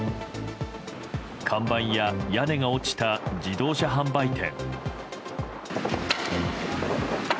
看板や屋根が落ちた自動車販売店。